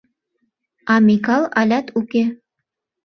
А Микал алят уке.